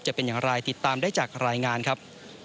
จะเป็นอย่างไรติดตามได้จากรายงานครับ